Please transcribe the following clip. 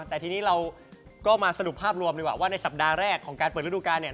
แต่ทีนี้เราก็มาสรุปภาพรวมดีกว่าว่าในสัปดาห์แรกของการเปิดฤดูการเนี่ย